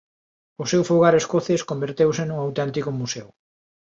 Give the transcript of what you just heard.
O seu fogar escocés converteuse nun auténtico museo.